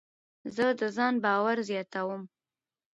زه د ځان باور زیاتوم.